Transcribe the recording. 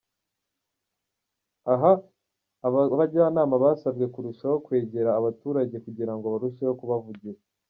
Aho aba bajyanama basabwe kurushaho kwegera abaturage kugira ngo barusheho kubavugira.